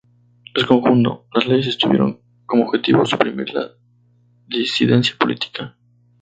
En conjunto, las leyes tuvieron como objetivo suprimir la disidencia política.